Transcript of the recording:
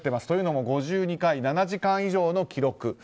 というのも５２回７時間以上の記録。